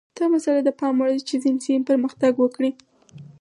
دا مسئله د پام وړ ده چې ځینې سیمې پرمختګ وکړي.